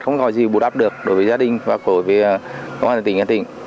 không gọi gì bù đắp được đối với gia đình và của công an tỉnh hà tĩnh